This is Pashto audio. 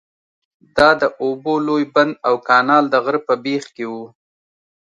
دا د اوبو لوی بند او کانال د غره په بیخ کې وو.